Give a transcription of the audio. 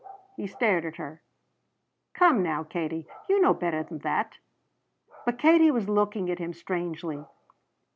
He stared at her. "Come now, Katie, you know better than that." But Katie was looking at him strangely.